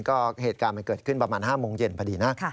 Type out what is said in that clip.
ก็เหตุการณ์มันเกิดขึ้นประมาณ๕โมงเย็นพอดีนะ